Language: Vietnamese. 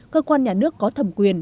cơ quan nhà nước có thẩm quyền